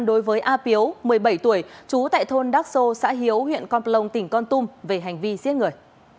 đối với a piếu một mươi bảy tuổi chú tại thôn đắc sô xã hiếu huyện con plông tỉnh con tum về hành vi giết người